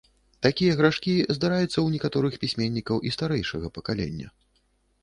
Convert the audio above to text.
Такія грашкі здараюцца ў некаторых пісьменнікаў і старэйшага пакалення.